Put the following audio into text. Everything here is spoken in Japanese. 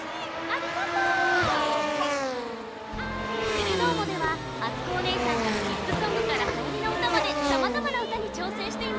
「テレどーも！」ではあつこおねえさんがキッズソングからはやりのうたまでさまざまなうたにちょうせんしています。